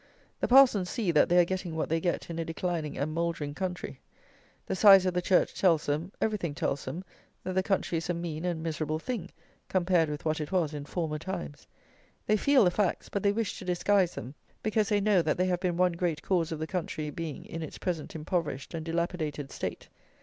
The parsons see that they are getting what they get in a declining and a mouldering country. The size of the church tells them, everything tells them, that the country is a mean and miserable thing, compared with what it was in former times. They feel the facts; but they wish to disguise them, because they know that they have been one great cause of the country being in its present impoverished and dilapidated state.